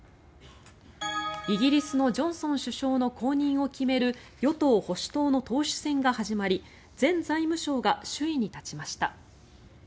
イギリスのジョンソン首相の後任を決める与党・保守党の党首選が始まり前財務相が首位に立ちました。